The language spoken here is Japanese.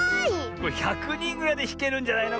これ１００にんぐらいでひけるんじゃないの？